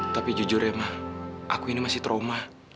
tapi jujur ya mah aku ini masih trauma